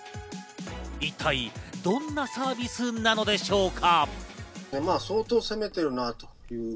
一体どんなサービスなのでしょうか。